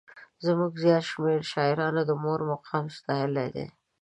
زموږ زیات شمېر شاعرانو د مور مقام ستایلی دی.